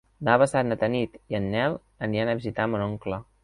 Demà passat na Tanit i en Nel aniran a visitar mon oncle.